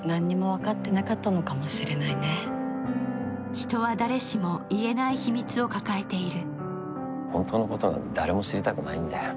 人は誰しも言えない秘密を抱えている。